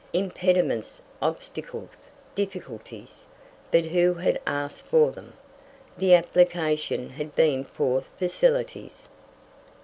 Impediments, obstacles, difficulties! But who had asked for them? The application had been for facilities.